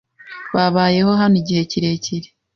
Babayeho hano igihe kirekire.